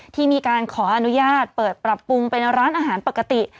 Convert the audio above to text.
ที่มีการขออนุญาตเปิดปรับปรุงเป็นร้านอาหารปกติ